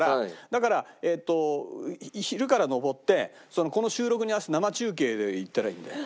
だからえっと昼から登ってこの収録に合わせて生中継で行ったらいいんだよ。